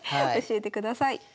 教えてください。